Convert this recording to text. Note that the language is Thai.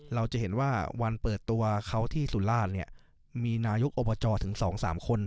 เราจะเห็นว่าวันเปิดตัวเขาที่สุราชเนี่ยมีนายกอบจถึง๒๓คน